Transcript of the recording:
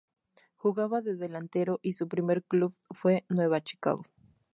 Jugaba de delantero y su primer club fue Nueva Chicago.